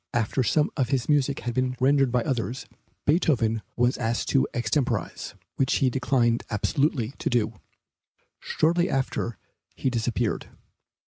After some of his music had been rendered by others, Beethoven was asked to extemporize, which he declined absolutely to do. Shortly after he disappeared.